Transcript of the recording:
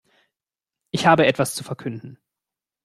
Ich habe etwas zu verkünden.